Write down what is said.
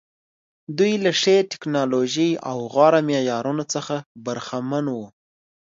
دوی له ښې ټکنالوژۍ او غوره معیارونو څخه برخمن وو.